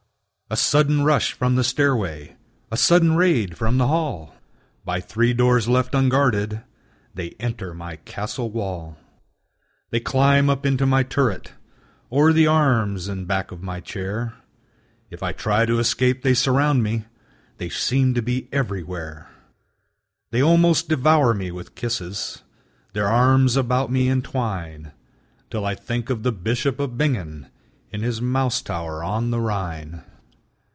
A sudden rush from the stairway, A sudden raid from the hall! By three doors left unguarded They enter my castle wall! They climb up into my turret O'er the arms and back of my chair; If I try to escape, they surround me; They seem to be everywhere. They almost devour me with kisses, Their arms about me entwine, Till I think of the Bishop of Bingen In his Mouse Tower on the Rhine!